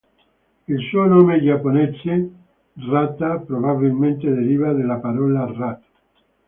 Il suo nome giapponese, ラッタ Ratta, probabilmente deriva dalla parola "rat".